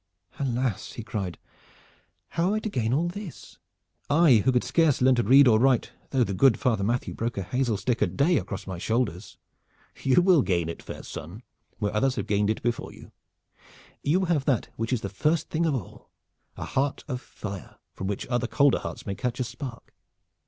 "Alas!" he cried. "How am I to gain all this? I, who could scarce learn to read or write though the good Father Matthew broke a hazel stick a day across my shoulders?" "You will gain it, fair son, where others have gained it before you. You have that which is the first thing of all, a heart of fire from which other colder hearts may catch a spark.